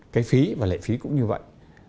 cái phí và lệ phí cũng như vậy